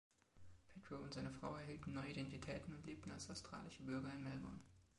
Petrow und seine Frau erhielten neue Identitäten und lebten als australische Bürger in Melbourne.